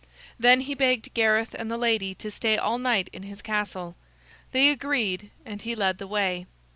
Then he begged Gareth and the lady to stay all night in his castle. They agreed, and he led the way.